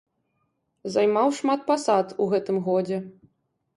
Займаў шмат пасад у гэтым годзе.